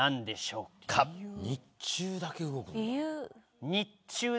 日中だけ動くの？